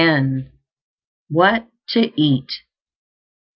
WHAT TO EAT.